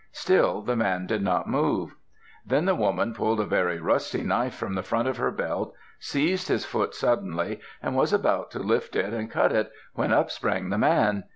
Still the man did not move. Then the woman pulled a very rusty knife from the front of her belt, seized his foot suddenly and was about to lift it and cut it, when up sprang the man.